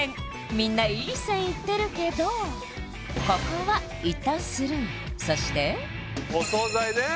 みんないい線いってるけどここはいったんスルーそしてお惣菜ね